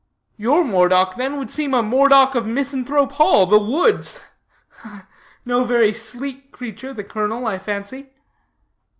"Your Moredock, then, would seem a Moredock of Misanthrope Hall the Woods. No very sleek creature, the colonel, I fancy."